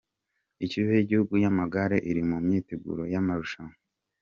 Ikipe y’igihugu y’amagare iri mu myiteguro y’amarushanwa